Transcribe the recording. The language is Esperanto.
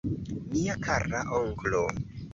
Mia kara onklo!